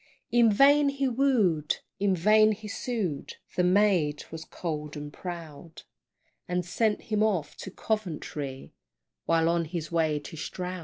In vain he wooed, in vain he sued, The maid was cold and proud, And sent him off to Coventry, While on his way to Stroud.